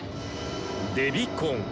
「デビコン」！